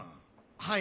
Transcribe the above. はい。